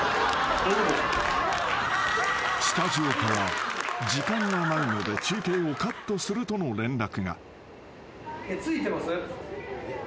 ［スタジオから時間がないので中継をカットするとの連絡が］